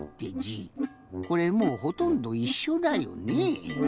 これもうほとんどいっしょだよね。